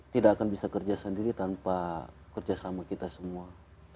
tidak akan bisa kerja sendiri tanpa kerjasama kita semua